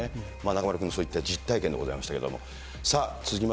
中丸君、そういった実体験でございましたけれども。